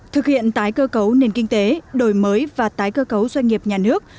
thực hiện tái cơ cấu nền kinh tế đổi mới và tái cơ cấu doanh nghiệp nhà nước